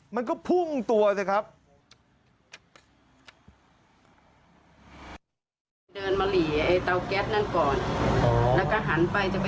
มันก็พุ่งตัวสิครับ